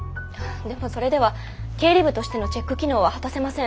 でもそれでは経理部としてのチェック機能は果たせません。